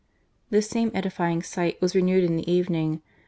*'' This same edifying sight was renewed in the evening.